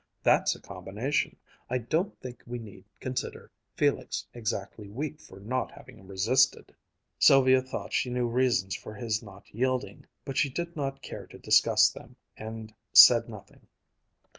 That's a combination! I don't think we need consider Felix exactly weak for not having resisted!" Sylvia thought she knew reasons for his not yielding, but she did not care to discuss them, and said nothing.